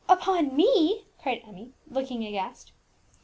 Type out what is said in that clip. "Upon me!" cried Emmie, looking aghast.